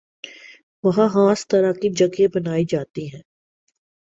وہاں خاص طرح کی جگہیں بنائی جاتی ہیں